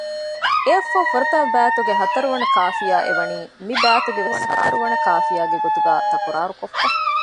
އެއަށްފަހު ފުރަތަމަ ބައިތުގެ ހަތަރުވަނަ ކާފިޔާ އެ ވަނީ މި ބައިތުގެ ވެސް ހަތަރުވަނަ ކާފިޔާގެ ގޮތުގައި ތަކުރާރުކޮށްފަ